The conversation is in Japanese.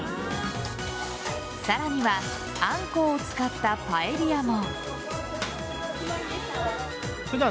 さらにはアンコウを使ったパエリアも。